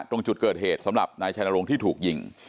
ตรงจุดเกิดเหตุสำหรับนายชัยนรงค์ที่ถูกยิง